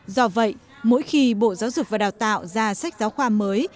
do vậy mỗi khi bộ giáo dục và đào tạo ra sách giáo khoa mới